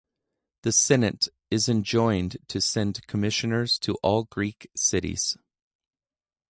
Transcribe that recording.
The Senate is enjoined to send commissioners to all Greek cities.